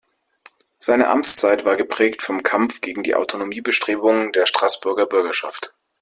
Seine Amtszeit war geprägt vom Kampf gegen die Autonomiebestrebungen der Straßburger Bürgerschaft.